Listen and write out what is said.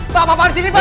pak pak pak disini pak